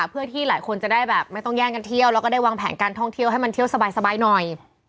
เพื่อที่หลายคนจะได้แบบไม่ต้องแย่งกันเที่ยวแล้วก็ได้วางแผนการท่องเที่ยวให้มันเที่ยวสบายหน่อย